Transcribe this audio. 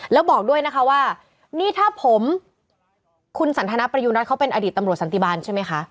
แล้วบอกด้วยนะคะว่านี่ถ้าผมคุณสันทนประยุณรัฐเขาเป็นอดีตตำรวจสันติบาลใช่ไหมคะ